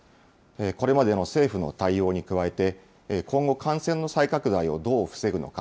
これまでの政府の対応に加えて、今後、感染の再拡大をどう防ぐのか。